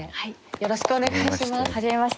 よろしくお願いします。